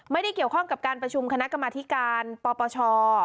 ไม่ได้เกี่ยวข้องกับการประชุมคณะกรรมธิการปปช